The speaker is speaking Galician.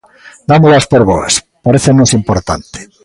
Dámolas por boas, parécenos importante.